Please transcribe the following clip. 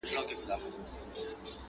لس کلونه، سل کلونه، ډېر عمرونه،